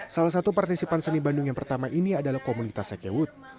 salah satu partisipan seni bandung yang pertama ini adalah komunitas sekewut